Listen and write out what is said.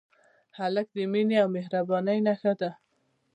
هلک د مینې او مهربانۍ نښه ده.